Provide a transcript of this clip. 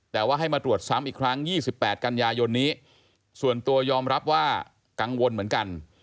แต่ว่าให้มาตรวจซ้ำอีกครั้ง๒๘กันยายนนี้ส่วนตัวยอมรับว่ากังวลเหมือนกัน